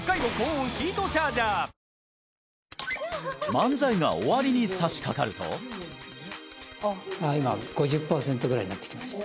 漫才が終わりにさしかかるとあっ今５０パーセントぐらいになってきました